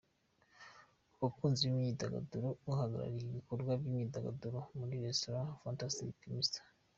Ku bakunzi b’imyidagaduro, uhagarariye ibikorwa by’imyidagaduro muri Restaurant Fantastic , Mr.